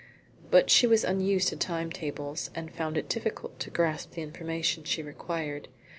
But she was unused to time tables, and found it difficult to grasp the information she required.